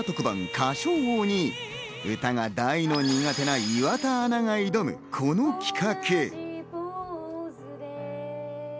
『歌唱王』に歌が大の苦手な岩田アナが挑む、この企画。